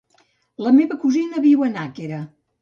La meva cosina viu a Nàquera.